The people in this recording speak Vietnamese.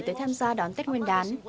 tới tham gia đón tết nguyên đán